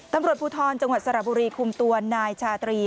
ตำรวจภูทรจังหวัดสระบุรีคุมตัวนายชาตรี